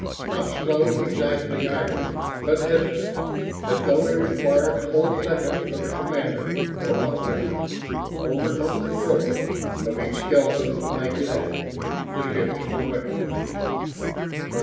Not slow, exactly, either, but hesitant; as though it required whole seconds for the commander or operator? Or remote controller? of each skeleton to make it act. The ships were winning.